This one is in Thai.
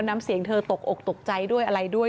น้ำเสียงเธอตกอกตกใจด้วยอะไรด้วย